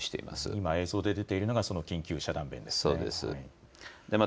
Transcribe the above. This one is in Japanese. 今映像に出ているのが緊急遮断弁です。